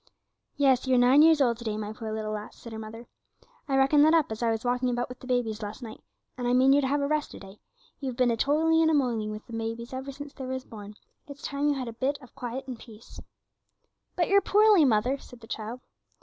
'Yes, you're nine years old to day, my poor little lass,' said her mother; 'I reckoned that up as I was walking about with the babies last night, and I mean you to have a rest to day; you've been a toiling and a moil ing with them babies ever since they was born; it's time you had a bit of quiet and peace.' 'But you're poorly, mother,' said the child.